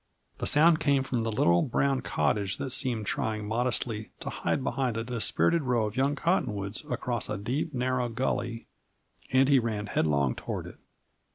The sound came from the little, brown cottage that seemed trying modestly to hide behind a dispirited row of young cottonwoods across a deep, narrow gully, and he ran headlong toward it.